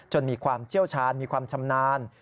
มีความเชี่ยวชาญมีความชำนาญ